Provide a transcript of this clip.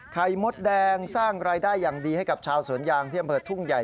มดแดงสร้างรายได้อย่างดีให้กับชาวสวนยางที่อำเภอทุ่งใหญ่